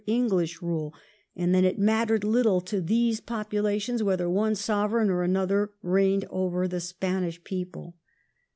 113 English rule, and that it mattered little to these populations whether one Sovereign or another reigned over the Spanish people.